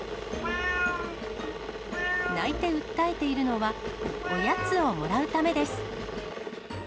鳴いて訴えているのは、おやつをもらうためです。